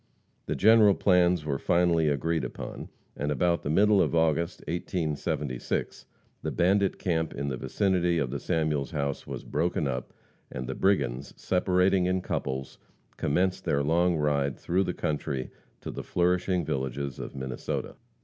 The general plans were finally agreed upon, and about the middle of August, 1876, the bandit camp in the vicinity of the Samuels house was broken up, and the brigands, separating in couples, commenced their long ride through the country to the flourishing villages of Minnesota.